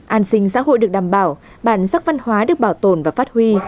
an sinh xã hội được đảm bảo bản sắc văn hóa được bảo tồn và phát huy